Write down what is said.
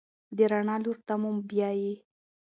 د رڼا لور ته مو بیايي.